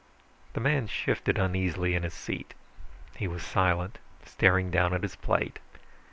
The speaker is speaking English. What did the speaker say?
The man shifted uneasily in his seat. He was silent, staring down at his plate.